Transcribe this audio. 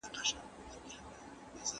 هغه په مشاهده ټینګار کاوه.